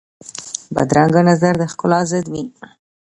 بدرنګه نظر د ښکلا ضد وي